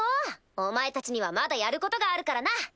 お前たちにはまだやることがあるからな！